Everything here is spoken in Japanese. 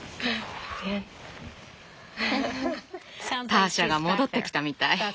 ターシャが戻ってきたみたい。